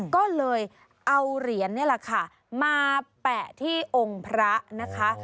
ก็เลยเอาเหรียญนี่แหละค่ะมาแปะที่องค์พระนะคะ